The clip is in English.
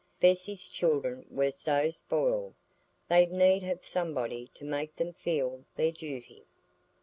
Bessy's children were so spoiled—they'd need have somebody to make them feel their duty.